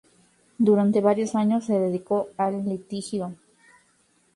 Durante varios años se dedicó al litigio.